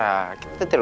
ah si baper